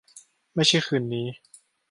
ไม่ใช่คืนนี้